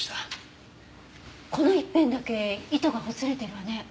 この一辺だけ糸がほつれてるわね。